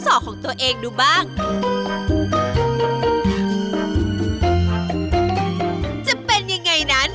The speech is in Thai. โอ้โหโอ้โหโอ้โห